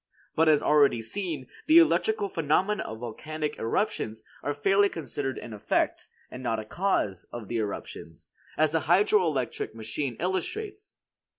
But as already seen, the electrical phenomena of volcanic eruptions are fairly considered an effect, and not a cause, of the eruptions, as the hydro electric machine illustrates.